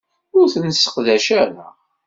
Ur t-nesseqdac ara.